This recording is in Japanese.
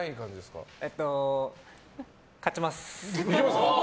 勝ちます。